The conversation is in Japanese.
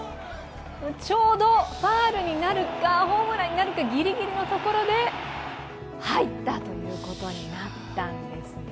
ちょうどファールになるか、ホームランになるかギリギリのところで入ったということになったんです。